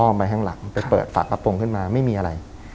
ไปข้างหลังไปเปิดฝากระโปรงขึ้นมาไม่มีอะไร